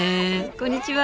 こんにちは！